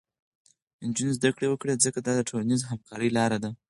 نجونې زده کړه وکړي، ځکه دا د ټولنیزې همکارۍ لاره ده.